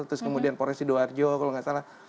terus kemudian polris sidoarjo kalau tidak salah